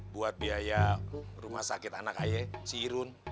buat biaya rumah sakit anak ayah si irun